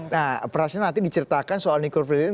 nah perasaan nanti diceritakan soal nico vrihling